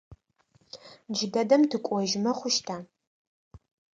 Джыдэдэм тыкӏожьмэ хъущта?